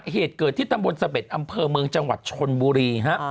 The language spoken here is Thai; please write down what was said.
เหตุเกิดที่ตำบลเสบ็ดอำเภอเมืองจังหวัดชนบุรีฮะ